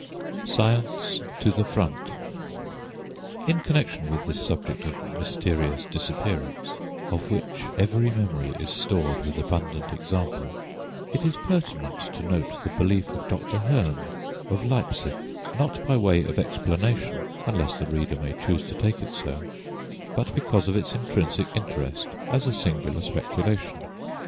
SCIENCE TO THE FRONT In connection with this subject of "mysterious disappearance"—of which every memory is stored with abundant example—it is pertinent to note the belief of Dr. Hem, of Leipsic; not by way of explanation, unless the reader may choose to take it so, but because of its intrinsic interest as a singular speculation.